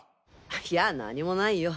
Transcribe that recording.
いや何もないよ。